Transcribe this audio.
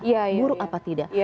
buruk apa tidak